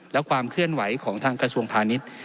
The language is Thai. และความเคลื่อนไหวของทางกระทรวงพาณิชย์